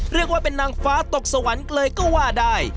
เรียกว่าเป็นนางฟ้าตกสวรรค์เลยก็ว่าได้